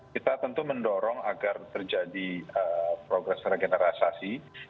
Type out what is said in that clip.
kita tentu mendorong agar terjadi progres regeneralisasi